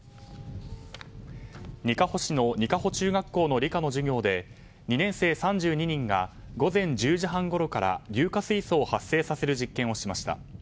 にかほ市の仁賀保中学校の理科の授業で２年生３２人が午前１０時半ごろから硫化水素を発生させる実験をしました。